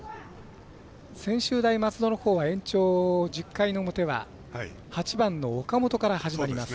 専修大松戸のほうは延長１０回の表は８番の岡本から始まります。